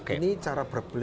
ini cara berbele